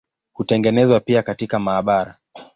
Hutengenezwa pia katika maabara.